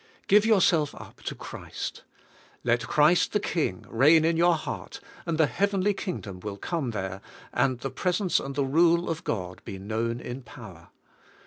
Give yourself up to Christ. Let Christ the King reign in your heart, and the heavenly Kingdom will come there and the Presence and the Rule of God be known in power.